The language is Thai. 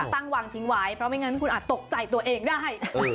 ตั้งวางทิ้งไว้เพราะไม่งั้นคุณอาจตกใจตัวเองได้